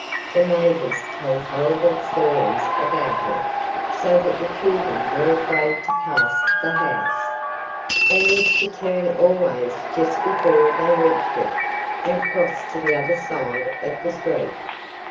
The neighbors told horrible stories about her, so that the children were afraid to pass the house. They used to turn always just before they reached it, and cross to the other side of the street.